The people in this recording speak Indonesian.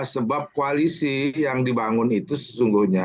sebab koalisi yang dibangun itu sesungguhnya